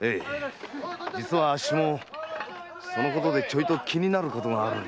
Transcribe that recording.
実はあっしもそのことでちょいと気になることが。